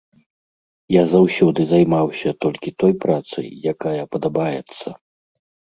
Я заўсёды займаўся толькі той працай, якая падабаецца.